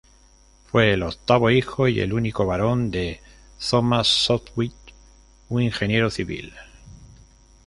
Fue el octavo hijo, y el único varón, de Thomas Sopwith, un ingeniero civil.